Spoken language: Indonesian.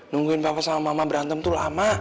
nungguin bapak sama mama berantem tuh lama